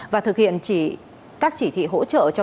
và thực hiện các chỉ thị hỗ trợ cho các doanh nghiệp